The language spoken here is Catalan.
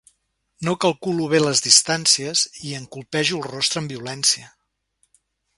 No calculo bé les distàncies i em colpejo el rostre amb violència.